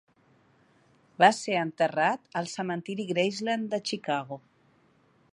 Va ser enterrat al cementiri Graceland de Chicago.